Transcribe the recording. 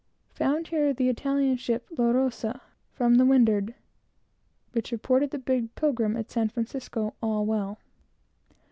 Found here the Italian ship La Rosa, from the windward, which reported the brig Pilgrim at San Francisco, all well.